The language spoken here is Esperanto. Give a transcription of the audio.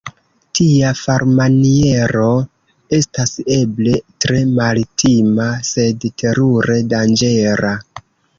Tia farmaniero estas eble tre maltima, sed terure danĝera.